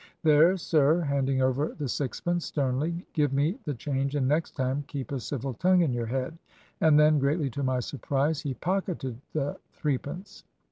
There, sir,' handing over the sixpence, sternly, 'give me the change and next time keep a civil tongue in your head.' And then, greatly to my surprise, he pocketed the threepence.